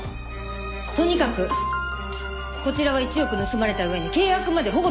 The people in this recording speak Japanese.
とにかくこちらは１億盗まれた上に契約まで反故にされたんです！